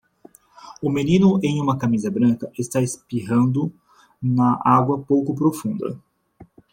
Um menino em uma camisa branca está espirrando na água pouco profunda.